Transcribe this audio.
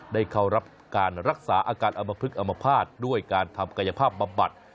เข้ารับการรักษาอาการอมพลึกอมภาษณ์ด้วยการทำกายภาพบำบัด